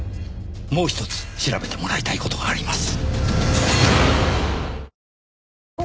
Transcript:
もうひとつ調べてもらいたい事があります。